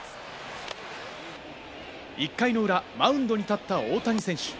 １回の裏、マウンドに立った大谷選手。